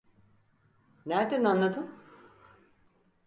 Nerden anladın?